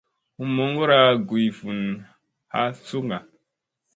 Hum moŋgora guy vunu ha suŋka.